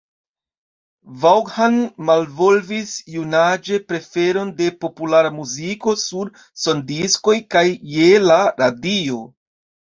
Vaughan malvolvis junaĝe preferon de populara muziko sur sondiskoj kaj je la radio.